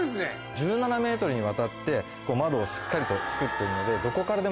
１７ｍにわたって窓をしっかりと作っているので。